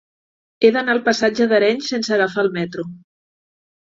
He d'anar al passatge d'Arenys sense agafar el metro.